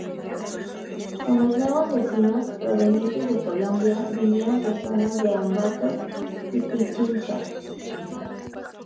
Con los nuevos vecinos provenientes de Colombia, vinieron personas de Ambato y Pichincha.